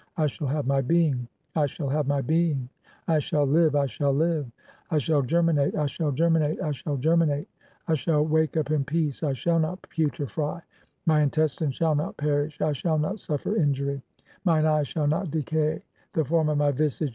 "I shall have my being, I shall have my being ; (18) I shall live, "I shall live ; I shall germinate, I shall germinate, I shall ger "minate ; I shall wake up in peace ; I shall not putrefy ; my "intestines (?) shall not perish; I shall not suffer injury; (19) "mine eye shall not decay; the form of my visage